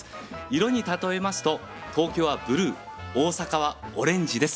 色に例えますと東京はブルー大阪はオレンジです。